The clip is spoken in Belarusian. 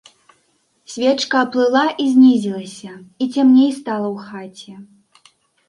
Свечка аплыла і знізілася, і цямней стала ў хаце.